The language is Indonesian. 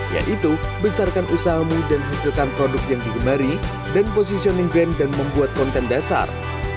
yaitu besarkan usahamu dan hasilkan produk yang digemari dan positioning brand dan membuat konten dasar